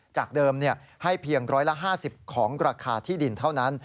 จากเดิมให้เพียง๑๕๐ของราคาที่ดินเท่านั้น